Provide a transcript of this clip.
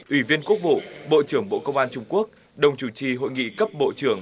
ủy viên quốc vụ bộ trưởng bộ công an trung quốc đồng chủ trì hội nghị cấp bộ trưởng